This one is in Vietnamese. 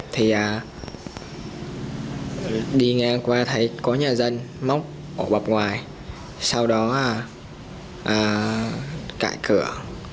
thì đi ngang qua thấy có nhà dân móc ở bọc ngoài sau đó cải cửa